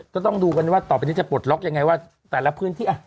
ต้องดูกันว่าต่อไปนี้จะปลดล็อกยังไงว่าแต่ละพื้นที่อ่ะ